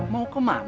mau kemana ini